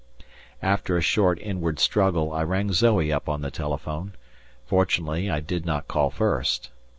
After a short inward struggle I rang Zoe up on the telephone; fortunately I did not call first.